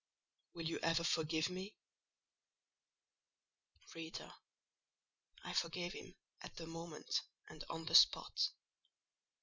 Will you ever forgive me?" Reader, I forgave him at the moment and on the spot.